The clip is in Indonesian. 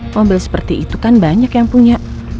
mobil seperti itu kan banyak yang punya